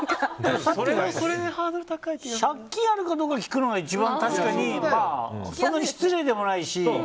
借金あるかどうか聞くのが一番、確かにそんなに失礼でもないし。